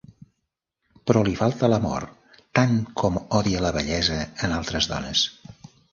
Però li falta l'amor, tant com odia la bellesa en altres dones.